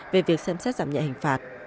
về việc xem xét giảm nhẹ hình phạt